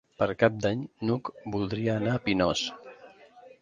Per Cap d'Any n'Hug voldria anar a Pinós.